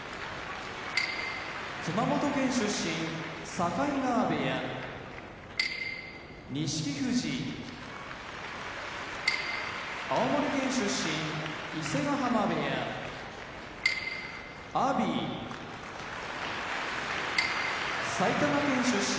熊本県出身境川部屋錦富士青森県出身伊勢ヶ濱部屋阿炎埼玉県出身